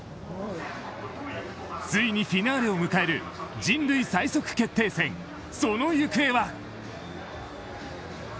ついにフィナーレを迎える人類最速決定戦、その行方は？